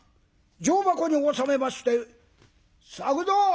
状箱におさめまして「作蔵！